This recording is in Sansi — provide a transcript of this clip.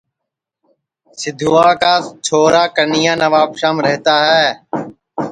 سیدھوا کا چھورا کنیا نوابشام رہتا ہے